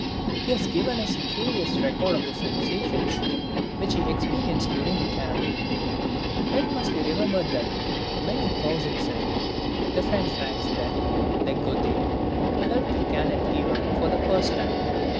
He has given us a curious record of the sensations which he experienced during the cannonade. It must be remembered that many thousands in, the French ranks then, like Goethe, felt the "cannon fever" for the first time.